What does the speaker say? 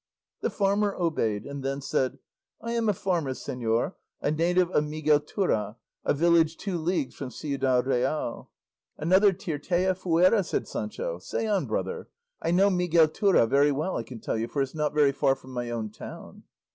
The farmer obeyed, and then said, "I am a farmer, señor, a native of Miguelturra, a village two leagues from Ciudad Real." "Another Tirteafuera!" said Sancho; "say on, brother; I know Miguelturra very well I can tell you, for it's not very far from my own town."